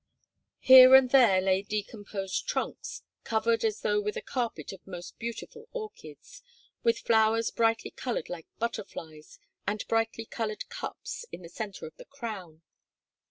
Here and there lay decomposed trunks, covered as though with a carpet of most beautiful orchids, with flowers brightly colored like butterflies and brightly colored cups in the center of the crown.